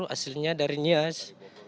aslinya dari nias